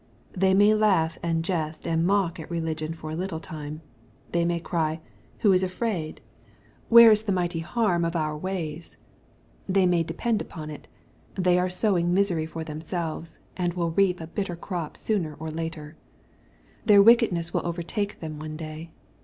They may laugh, and jest, and mock at religion for a little time. They may cry, " Who is afraid ? Where is the mighty harm of 160 EXPOSITORY THOUGHTS. our ways ?" They may depend upon it, they are sowing misery for themselves, and will reap a bitter crop sooner or later* Their wickedness will overtake them one day.